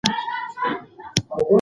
راتلونکی نسل به سمارټ وسایل کاروي.